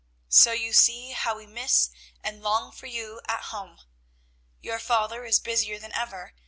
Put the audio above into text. "So you see how we miss and long for you at home. "Your father is busier than ever.